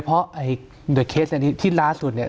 เพราะเคสที่ล่าสุดเนี่ย